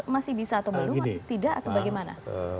masih bisa atau belum tidak atau bagaimana